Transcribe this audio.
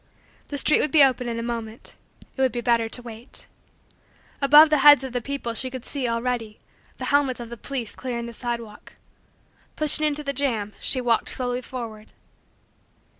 The street would be open in a moment. It would be better to wait. Above the heads of the people she could see, already, the helmets of the police clearing the sidewalk. Pushing into the jam, she worked slowly forward.